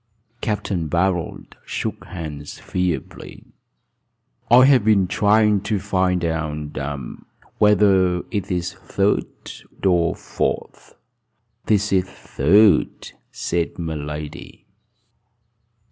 Capt. Barold shook hands feebly. "I have been trying to find out whether it is third or fourth," he said. "It is third," said my lady.